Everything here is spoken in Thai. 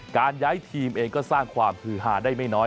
การย้ายทีมเองก็สร้างความฮือหาได้ไม่น้อย